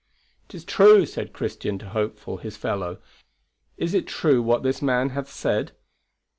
"Is it true," said Christian to Hopeful, his fellow, "is it true what this man hath said?"